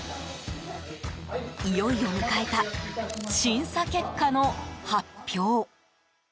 いよいよ迎えた審査結果の発表。